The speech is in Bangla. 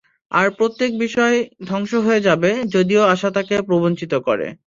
আর প্রত্যেক বিষয় ধ্বংস হয়ে যাবে, যদিও আশা তাকে প্রবঞ্চিত করে।